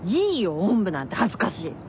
おんぶなんて恥ずかしい。